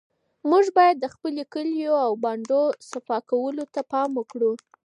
موږ باید د خپلو کلیو او بانډو صفا ساتلو ته پام وکړو.